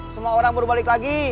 semua orang baru balik lagi